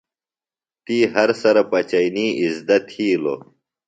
تی ہر سرہ پچئینی اِزدہ تِھیلوۡ۔